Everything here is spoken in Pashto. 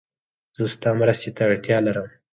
زه ستا مرستې ته اړتیا لرم